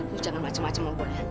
lo jangan macem macem sama gue ya